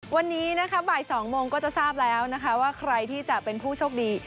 วันนี้นะคะบ่าย๒โมงก็จะทราบแล้วนะคะว่าใครที่จะเป็นผู้โชคดี